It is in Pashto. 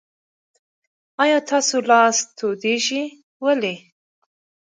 آیا ستاسو لاس تودیږي؟ ولې؟